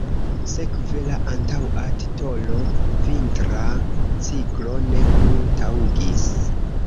Sekve la antaŭa titolo „Vintra Ciklo" ne plu taŭgis.